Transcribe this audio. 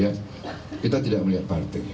ya kita tidak melihat partai